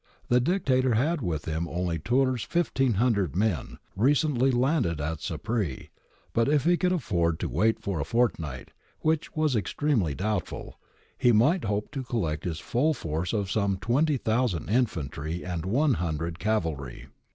The Dictator had with him only Tiirr's 1500 fi .en, recently landed at Sapri, but if he could afford to wait for a fortnight, which was extremely doubtful, he might hope to collect his full force of some 20,000 infantry and 100 cavalry.